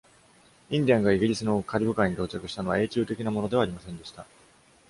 インディアンがイギリスのカリブ海に到着したのは、永久的なものではありませんでした。